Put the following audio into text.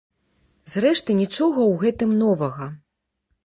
Зрэшты, нічога ў гэтым новага.